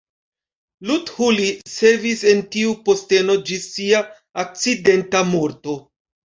Luthuli servis en tiu posteno ĝis sia akcidenta morto.